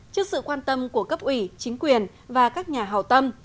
trước sự quan tâm của cấp ủy chính quyền và các nhà hào tâm